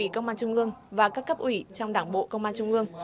công an trung ương và các cấp ủy trong đảng bộ công an trung ương